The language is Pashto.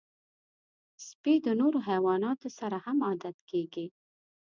سپي د نورو حیواناتو سره هم عادت کېږي.